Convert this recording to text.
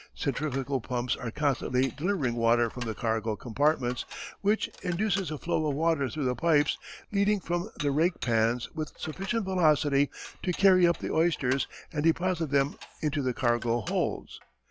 Centrifugal pumps are constantly delivering water from the cargo compartments, which induces a flow of water through the pipes leading from the "rake pans" with sufficient velocity to carry up the oysters and deposit them into the cargo holds.